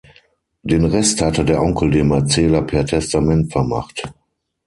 Den Rest hatte der Onkel dem Erzähler per Testament vermacht.